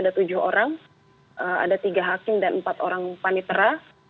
di tahun dua ribu delapan belas itu ada tujuh orang ada tiga hakim dan empat orang panitra